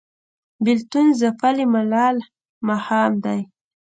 بیلتون ځپلی ملال ماښام دی